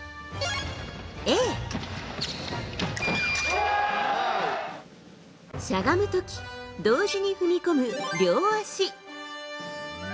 Ａ、しゃがむ時同時に踏み込む両足。